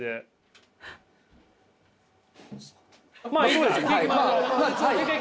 まあいいか！